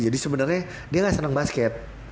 jadi sebenernya dia gak seneng basket